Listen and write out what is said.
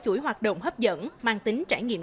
chuỗi hoạt động hấp dẫn mang tính trải nghiệm